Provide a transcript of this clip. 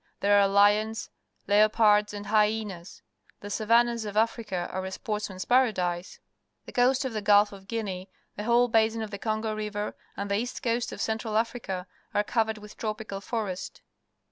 There are lions, leopards, and hj'enas. The savannas of Africa are a sportsman's paradise. The coast of the Gulf of Guinea, the whole basin of the Congo River, and the east coast of Central Africa are covered with tropical forest.